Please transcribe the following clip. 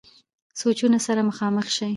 سوچونو سره مخامخ شي -